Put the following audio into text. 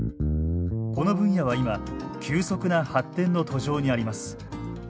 この分野は今急速な発展の途上にあります。